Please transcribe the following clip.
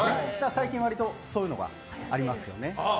最近、割とそういうのがありますよね。